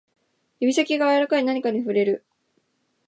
指先が柔らかい何かに触れる